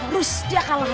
rus dia kalah